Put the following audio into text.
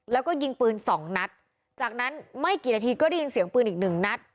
แล้วก็ยิงปืนสองนัดจากนั้นไม่กี่นาทีก็ได้ยินเสียงปืนอีกหนึ่งนัด